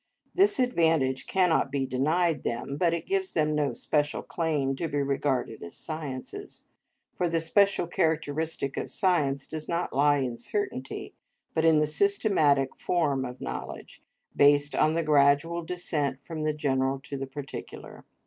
This advantage cannot be denied them, but it gives them no special claim to be regarded as sciences; for the special characteristic of science does not lie in certainty but in the systematic form of knowledge, based on the gradual descent from the general to the particular.